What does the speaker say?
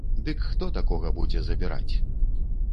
Дык хто такога будзе забіраць.